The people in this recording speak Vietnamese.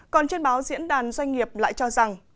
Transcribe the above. còn trên báo diễn đàn doanh nghiệp lại cho rằng